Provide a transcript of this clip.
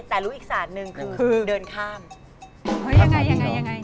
แต่รู้อีกของคนอีกอย่างอีก